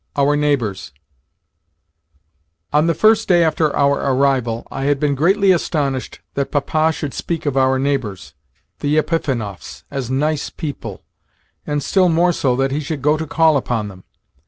XXXIII. OUR NEIGHBOURS ON the first day after our arrival, I had been greatly astonished that Papa should speak of our neighbours, the Epifanovs, as "nice people," and still more so that he should go to call upon them.